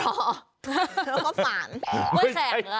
แล้วก็ฝัน